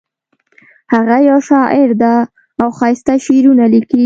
هغه یو شاعر ده او ښایسته شعرونه لیکي